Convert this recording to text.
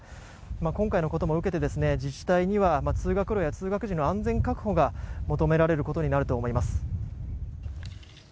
今回のことも受けて自治体には通学路や通学時の安全確保が求められることになると思います。